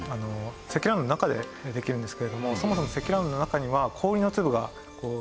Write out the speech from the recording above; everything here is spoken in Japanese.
積乱雲の中でできるんですけれどもそもそも積乱雲の中には氷の粒がいっぱいあります。